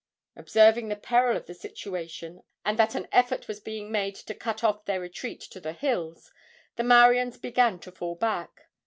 Observing the peril of the situation, and that an effort was being made to cut off their retreat to the hills, the Mauians began to fall back.